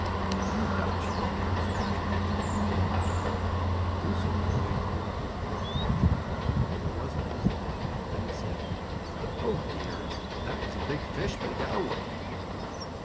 Then the duck children weren't so much afraid, and they watched him. Pretty soon the boy pulled up his line with a jerk, but there wasn't anything on it. Then he said: "Oh, dear! That was a big fish, but he got away."